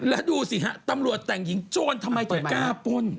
แล้วดูสิฮะตำรวจแต่งหญิงโจรทำไมถึงกล้าป้น